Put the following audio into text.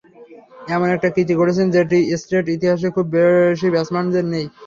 এমন একটা কীর্তি গড়েছেন, যেটি টেস্ট ইতিহাসে খুব বেশি ব্যাটসম্যানের নেই।